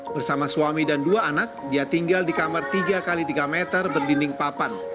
bersama suami dan dua anak dia tinggal di kamar tiga x tiga meter berdinding papan